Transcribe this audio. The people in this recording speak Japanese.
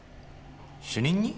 主任に？